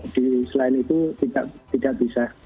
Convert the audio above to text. di selain itu tidak bisa